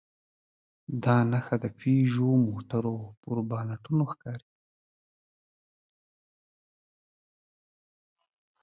دا نښه د پيژو موټرو پر بانټونو ښکاري.